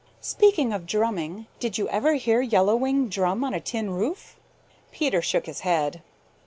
Speaking of drumming, did you ever hear Yellow Wing drum on a tin roof?" Peter shook his head.